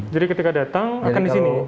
jadi ketika datang akan disini ya